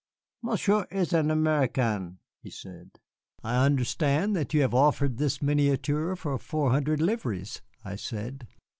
"Monsieur is an American," he said. "I understand that you have offered this miniature for four hundred livres," I said.